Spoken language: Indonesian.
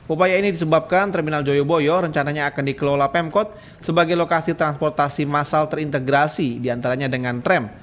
upaya ini disebabkan terminal joyoboyo rencananya akan dikelola pemkot sebagai lokasi transportasi masal terintegrasi diantaranya dengan tram